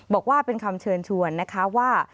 บอกว่าเป็นคำเชิญชวนนะคะว่า